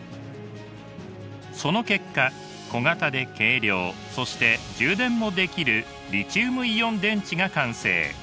その結果小型で軽量そして充電もできるリチウムイオン電池が完成。